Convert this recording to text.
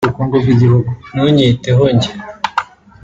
“Ntunyiteho njye